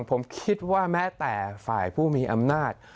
ผมคิดว่าแม้แต่ฝ่ายผู้มีอำนาจ